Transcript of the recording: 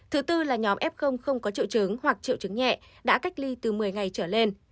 thứ tư là nhóm f không có triệu chứng hoặc triệu chứng nhẹ đã cách ly từ một mươi ngày trở lên